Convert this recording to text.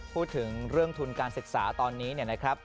พูดถึงเรื่องทุนการศึกษาตอนนี้เนี่ยนะครับ